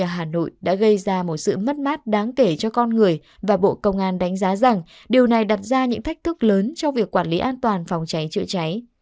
hà nội đã gây ra một sự mất mát đáng kể cho con người và bộ công an đánh giá rằng điều này đặt ra những thách thức lớn trong việc quản lý an toàn phòng cháy chữa cháy